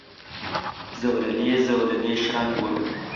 زولنې، زولنې شرنګ وم